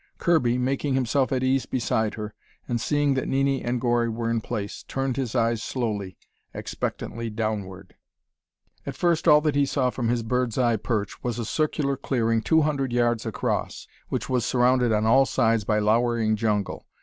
Kirby, making himself at ease beside her, and seeing that Nini and Gori were in place, turned his eyes slowly, expectantly downward. At first, all that he saw from his bird's eye perch, was a circular clearing two hundred yards across, which was surrounded on all sides by lowering jungle.